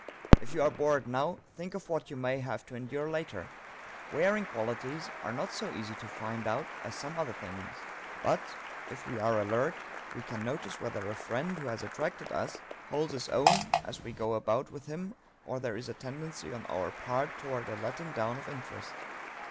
If you are bored now, think of what you may have to endure later._ Wearing qualities are not so easy to find out as some other things; but, if we are alert, we can notice whether a friend who has attracted us holds his own as we go about with him or there is a tendency on our part toward a letting down of interest.